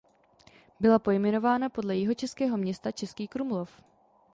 Byla pojmenována podle jihočeského města Český Krumlov.